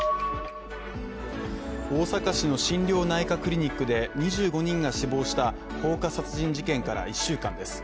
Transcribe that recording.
大阪市の心療内科クリニックで２５人が死亡した放火殺人事件から１週間です。